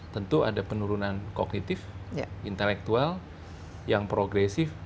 tentu ada penurunan kognitif intelektual yang progresif